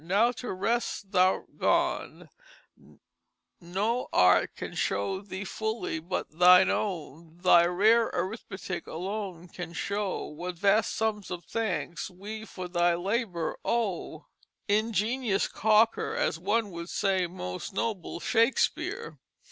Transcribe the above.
Now to Rest thou 'rt Gone Noe Art can Show thee fully but thine Own Thy rare Arithmetick alone can show What vast Sums of Thanks wee for Thy Labour owe." "Ingenious Cocker," as one would say "Most noble Shakespeare!"